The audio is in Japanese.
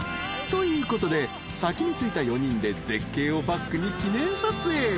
［ということで先に着いた４人で絶景をバックに記念撮影］